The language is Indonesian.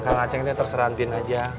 kang acing tuh terserantin aja